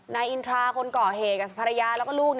นายอินทราคนเกาะเหกศพรรยาแล้วก็ลูก